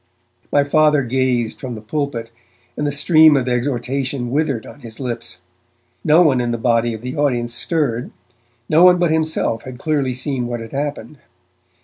My Father gazed from the pulpit and the stream of exhortation withered on his lips. No one in the body of the audience stirred; no one but himself had clearly seen what had happened.